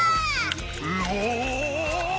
うお！